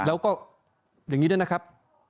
แล้วก็ยังไงนะครับ